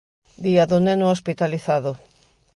Día do Neno Hospitalizado.